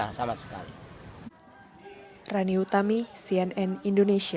nah sama sekali